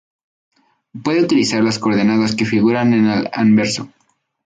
Puede utilizar las coordenadas que figuran en el anverso.